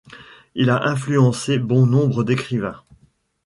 Il a influencé bon nombre d'écrivains.